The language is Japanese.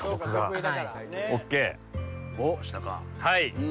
はい。